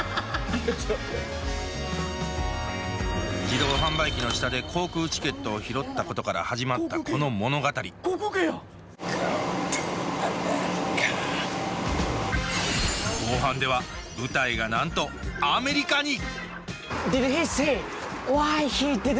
自動販売機の下で航空チケットを拾ったことから始まったこの物語後半では舞台がなんとアメリカに！